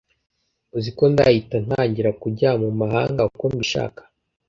uziko nzahita ntangira kujya mu mahanga uko mbishaka